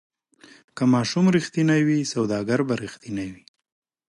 که ماشوم ریښتینی وي سوداګر به ریښتینی وي.